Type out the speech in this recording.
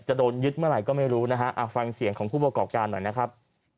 จะโดนยึดเมื่อไหร่ก็ไม่รู้นะฮะฟังเสียงของผู้ประกอบการหน่อยนะครับ